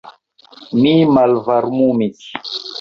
Mi malvarmumis.